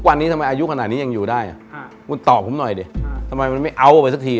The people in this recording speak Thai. วันนี้ทำไมอายุขนาดนี้ยังอยู่ได้คุณตอบผมหน่อยดิทำไมมันไม่เอาไปสักที